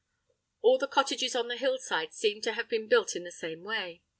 All the cottages on the hillside seem to have been built in the same way.